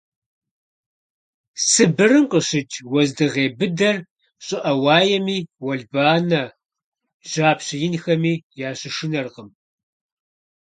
Сыбырым къыщыкӀ уэздыгъей быдэр щӀыӀэ уаеми, уэлбанэ, жьапщэ инхэми ящышынэркъым.